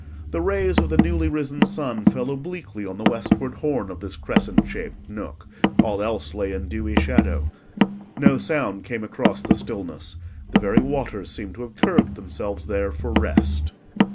The rays of the newly risen sun fell obliquely on the westward horn of this crescent shaped nook: all else lay in dewy shadow. No sound came across the stillness; the very waters seemed to have curved themselves there for rest.